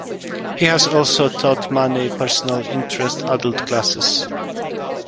He has also taught many personal interest adult classes.